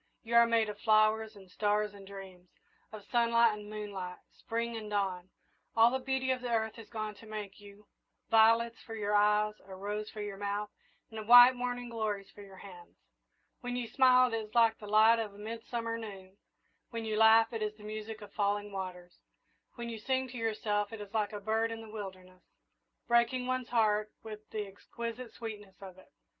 You are made of flowers and stars and dreams of sunlight and moonlight, Spring and dawn. All the beauty of the earth has gone to make you violets for your eyes, a rose for your mouth, and white morning glories for your hands. When you smile it is like the light of a midsummer noon; when you laugh it is the music of falling waters; when you sing to yourself it is like a bird in the wilderness, breaking one's heart with the exquisite sweetness of it.